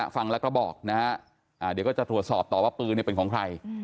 ฟังแล้วก็บอกนะฮะเดี๋ยวก็จะตรวจสอบต่อว่าปืนเป็นของใคร